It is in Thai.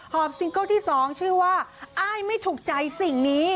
ซิงเกิลที่๒ชื่อว่าอ้ายไม่ถูกใจสิ่งนี้